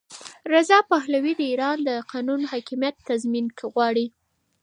رضا پهلوي د ایران د قانون حاکمیت تضمین غواړي.